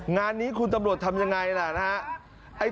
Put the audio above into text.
งานนี้คุณตำรวจทำอย่างไรนะครับ